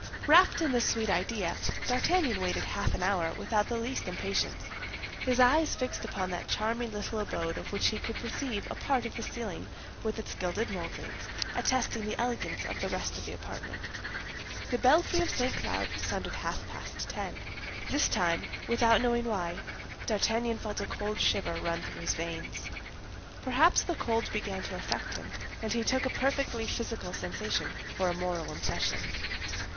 Wrapped in this sweet idea, D'Artagnan waited half an hour without the least impatience, his eyes fixed upon that charming little abode of which he could perceive a part of the ceiling with its gilded moldings, attesting the elegance of the rest of the apartment. The belfry of St. Cloud sounded half past ten. This time, without knowing why, D'Artagnan felt a cold shiver run through his veins. Perhaps the cold began to affect him, and he took a perfectly physical sensation for a moral impression.